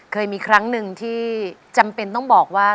เคยมีครั้งหนึ่งที่จำเป็นต้องบอกว่า